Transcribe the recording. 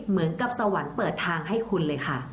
เหมือนกับสวรรค์เปิดทางให้คุณเลยค่ะ